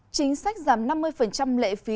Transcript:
chính sách giảm năm mươi lệ phí